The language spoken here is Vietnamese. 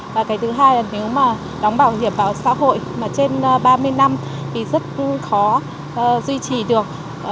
và cái thứ hai là nếu mà đóng bảo hiểm bảo xã hội mà trên ba mươi năm thì rất khó duy trì được